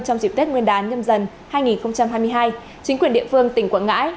trong dịp tết nguyên đán nhâm dần hai nghìn hai mươi hai chính quyền địa phương tỉnh quảng ngãi